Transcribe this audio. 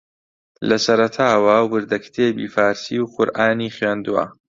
لە سەرەتاوە وردەکتێبی فارسی و قورئانی خوێندووە